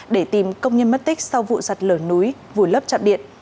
để tìm công nhân mất tích sau vụ sạt lở núi vùi lấp chạm điện